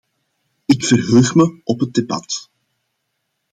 Ik verheug me op het debat.